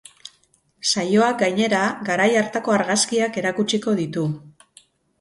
Saioak gainera, garai hartako argazkiak erakutsiko ditu.